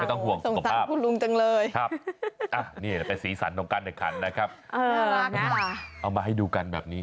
ไม่ต้องห่วงสภาพครับนี่แหละเป็นสีสันตรงกลางในขันนะครับเอามาให้ดูกันแบบนี้